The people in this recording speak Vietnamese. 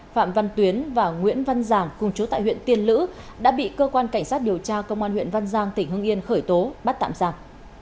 phạm văn tuyến và nguyễn văn giàng cùng chú tại huyện tiên lữ đã bị cơ quan cảnh sát điều tra công an huyện văn giang tỉnh hưng yên khởi tố bắt tạm giả